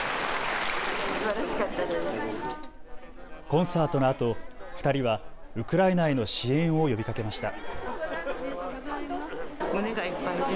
コンサートのあと２人はウクライナへの支援を呼びかけました。